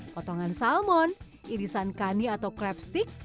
potongan salmon irisan kani atau krep stick